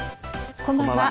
こんばんは。